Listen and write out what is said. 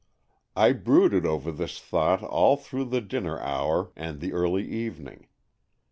I brooded over this thought all through the dinner hour and the early evening.